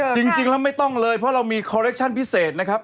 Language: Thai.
จริงแล้วไม่ต้องเลยเพราะเรามีคอเล็กชั่นพิเศษนะครับ